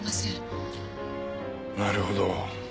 なるほど。